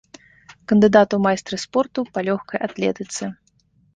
Кандыдат у майстры спорту па лёгкай атлетыцы.